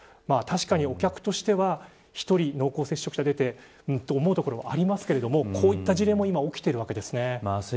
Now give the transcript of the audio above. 確かに、お客としては１人、濃厚接触者が出て思うところはありますがこういった事例も今、起きているわけです。